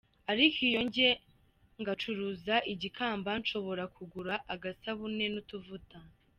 Ariko iyo nje ngacuruza igikamba, nshobora kugura agasabune n’utuvuta.